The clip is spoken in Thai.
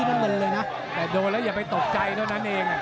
แต่โดนแล้วอย่าไปตกใจเท่านั้นเอง